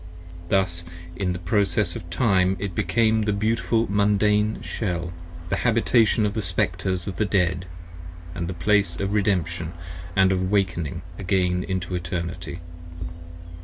Thus in process of time it became the beautiful Mundane Shell, The Habitation of the Speclres of the Dead & the Place Of Redemption & of awaking again into Eternity.